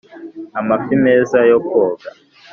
amafi meza yo koga